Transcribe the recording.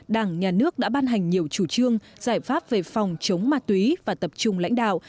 đảng nhà nước đã ban hành nhiều chủ trương giải pháp về phòng chống ma túy và tập trung lãnh đạo